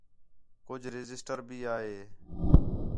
کُج رجسٹر بھی آ ہے